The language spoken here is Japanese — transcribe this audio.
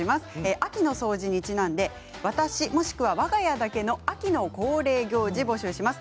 秋の掃除にちなんで私もしくは、わが家だけの秋の恒例行事、募集します。